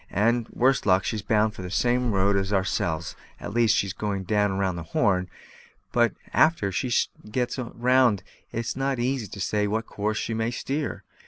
And, worst luck, she's bound the same road as ourselves at least, she's going round the Horn; but a'ter she gets round it's not so easy to say what course she may steer.